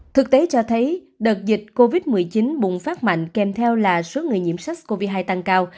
thực tế cho thấy đợt dịch covid một mươi chín bùng phát mạnh kèm theo là số người nhiễm sars cov hai tăng cao